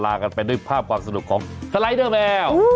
ลากันไปด้วยภาพความสนุกของสไลด์เรื่องแล้ว